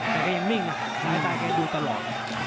แต่ยังนิ่งมั้ยได้ใจให้ดูตลอด